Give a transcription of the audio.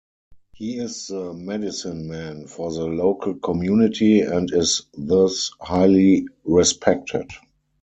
He is the medicine man for the local community, and is thus highly respected.